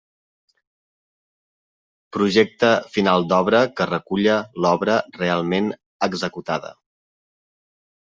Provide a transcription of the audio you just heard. Projecte final d'obra que reculla l'obra realment executada.